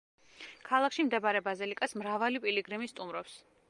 ქალაქში მდებარე ბაზილიკას მრავალი პილიგრიმი სტუმრობს.